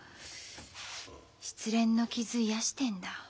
失恋の傷癒やしてんだ。